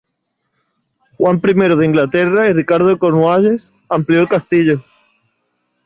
Juan I de Inglaterra y Ricardo de Cornualles amplió el castillo.